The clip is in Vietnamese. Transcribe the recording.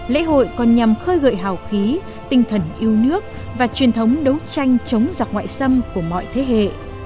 lễ hội còn nhằm khơi gợi hào khí tinh thần yêu nước và truyền thống đấu tranh chống giặc ngoại xâm của mọi thế hệ